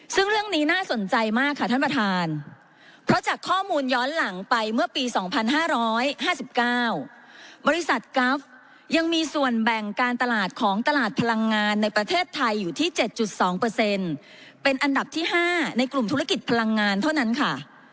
ซึ่งเรื่องนี้น่าสนใจมากค่ะท่านประธานเพราะจากข้อมูลย้อนหลังไปเมื่อปี๒๕๕๙บริษัทกราฟยังมีส่วนแบ่งการตลาดของตลาดพลังงานในประเทศไทยอยู่ที่๗๒เป็นอันดับที่๕ในกลุ่มธุรกิจพลังงานเท่านั้นค่ะ